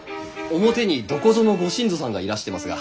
表にどこぞのご新造さんがいらしてますが。